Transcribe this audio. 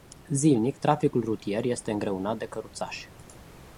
Zilnic, traficul rutier este îngreunat de căruțași.